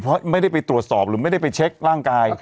เพราะไม่ได้ไปตรวจสอบหรือไม่ได้ไปเช็คร่างกาย